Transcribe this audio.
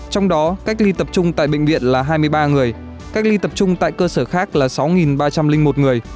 trong đó cách ly tập trung tại bệnh viện là hai mươi ba người cách ly tập trung tại cơ sở khác là sáu ba trăm linh một người